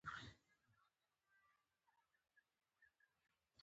چای د کیسو خوند زیاتوي